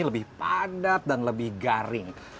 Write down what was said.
lebih padat dan lebih garing